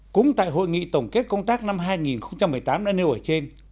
cũng tại hội nghị tổng kết công tác năm hai nghìn một mươi tám đã nêu ở trên